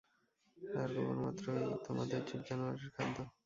আর গোবর মাত্রই তোমাদের জীব-জানোয়ারের খাদ্য।